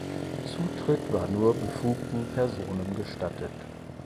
Zutritt war nur befugten Personen gestattet.